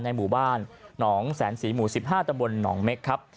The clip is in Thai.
ในหมู่บ้านหนองแสนสีหมู่สิบห้าตำบลหนองเม็กครับ